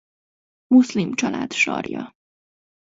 Muszlim család sarja.